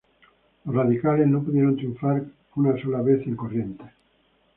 Los radicales no pudieron triunfar una sola vez en Corrientes.